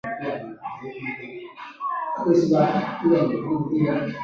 德语成为独立语言的历史是中古时代早期高地德语子音推移发生后开始的。